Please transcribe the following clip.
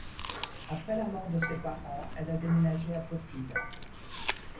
Après la mort de ses parents, elle a déménagé à Pottiga.